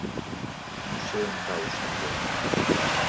No sé on cau Sant Joan.